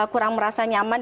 kurang merasa nyaman